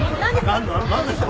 何ですか？